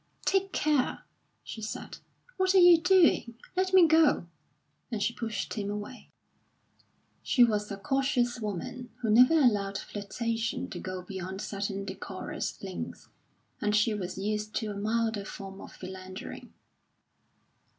"Take care," she said. "What are you doing? Let me go!" And she pushed him away. She was a cautious woman, who never allowed flirtation to go beyond certain decorous lengths, and she was used to a milder form of philandering.